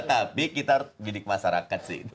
tapi kita harus didik masyarakat sih